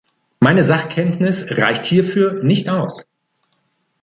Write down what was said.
Meine Sachkenntnis reicht hierfür nicht aus.